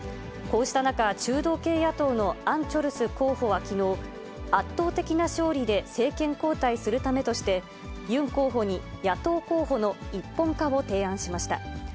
こうした中、中道系野党のアン・チョルス候補はきのう、圧倒的な勝利で政権交代するためとして、ユン候補に野党候補の一本化を提案しました。